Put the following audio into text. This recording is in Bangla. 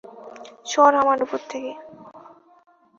সর আমার উপর থেকে।